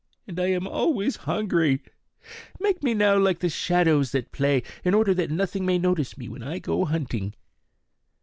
And I am always hungry. Make me now like the shadows that play, in order that nothing may notice me when I go hunting."